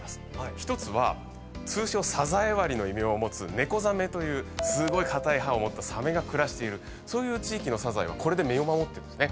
１つは通称サザエ割りの異名を持つネコザメというすごい硬い歯を持ったサメが暮らしているそういう地域のサザエはこれで身を守ってるんですね。